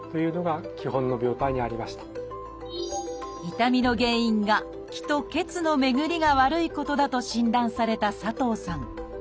痛みの原因が「気」と「血」の巡りが悪いことだと診断された佐藤さん。